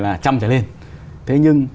là trăm trở lên thế nhưng